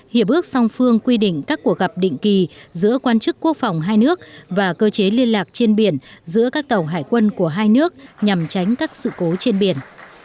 hiệp ước song phương quy định các cuộc gặp định kỳ giữa quan chức quốc phòng hai nước và cơ chế liên lạc trên biển giữa các tàu hải quân của hai nước nhằm tránh các sự cố trên biển